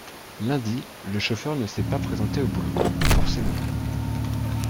lundi, le chauffeur ne s’est pas présenté au boulot, forcément.